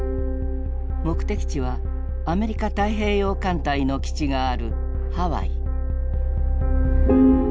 目的地はアメリカ太平洋艦隊の基地があるハワイ。